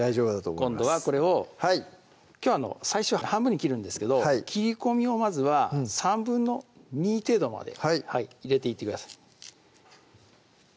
今度はこれをきょう最初半分に切るんですけど切り込みをまずは２／３程度まで入れていってください